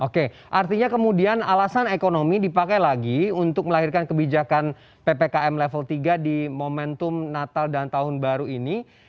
oke artinya kemudian alasan ekonomi dipakai lagi untuk melahirkan kebijakan ppkm level tiga di momentum natal dan tahun baru ini